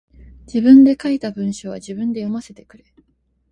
自分で書いた文章は自分で読ませてくれ。